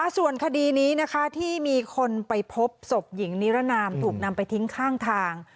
ส่วนคดีนี้นะคะที่มีคนไปพบศพหญิงนิรนามถูกนำไปทิ้งข้างทาง